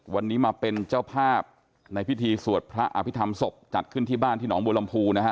วันนี้มาเป็นเจ้าภาพในพิธีสวดพระอภิษฐรรมศพจัดขึ้นที่บ้านที่หนองบัวลำพูนะฮะ